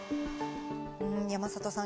山里さん